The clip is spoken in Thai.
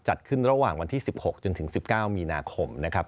จัดขึ้นระหว่างวันที่๑๖จนถึง๑๙มีนาคมนะครับ